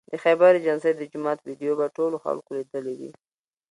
د خیبر ایجنسۍ د جومات ویدیو به ټولو خلکو لیدلې وي